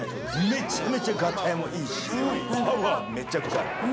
めちゃめちゃガタイもいいし、パワーめちゃくちゃある。